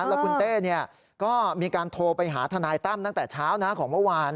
แล้วคุณเต้ก็มีการโทรไปหาทนายตั้มตั้งแต่เช้าของเมื่อวาน